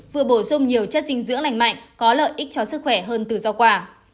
vừa bổ sung nhiều chất dinh dưỡng lành mạnh có lợi ích cho sức khỏe hơn từ rau quả